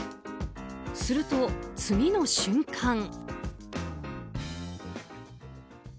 すると、次の瞬間。